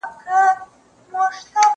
پلان جوړ کړه؟!